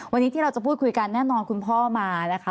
วันนี้ที่เราจะพูดคุยกันแน่นอนคุณพ่อมานะคะ